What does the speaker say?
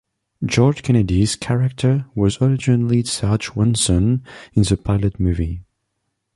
George Kennedy's character was originally Sarge Swanson in the pilot movie.